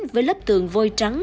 với lớp tường vôi trắng